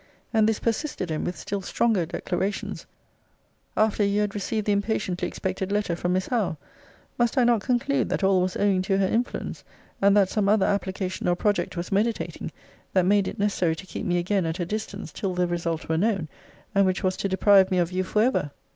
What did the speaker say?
and this persisted in with still stronger declarations, after you had received the impatiently expected letter from Miss Howe; must I not conclude, that all was owing to her influence; and that some other application or project was meditating, that made it necessary to keep me again at a distance till the result were known, and which was to deprive me of you for ever?